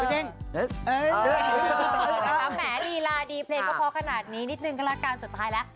แหมลีลาดีเพลงก็เพราะขนาดนี้นิดนึงก็ละกันสุดท้ายแล้ว